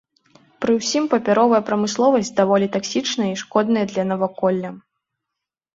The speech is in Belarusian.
Пры ўсім папяровая прамысловасць даволі таксічнай і шкоднай для наваколля.